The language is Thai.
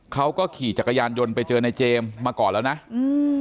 เขาก็ขี่จักรยานยนต์ไปเจอนายเจมส์มาก่อนแล้วนะอืม